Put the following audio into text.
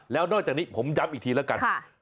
แล้วนอกจากนี้ผมย้ำอีกทีแล้วกัน